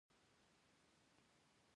په افغانستان کې د مس منابع شته.